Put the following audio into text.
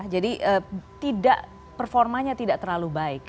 jadi performanya tidak terlalu baik